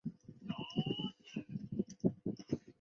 达尔比耶。